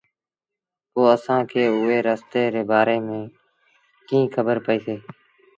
پوء اسآݩٚ کي اُئي رستي ري بآري ميݩ ڪيٚنٚ کبر پئيٚسي؟